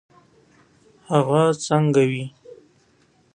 هغه څنګه وي.